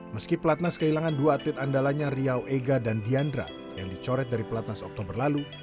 meski pelatnas kehilangan dua atlet andalanya riau ega dan diandra yang dicoret dari pelatnas oktober lalu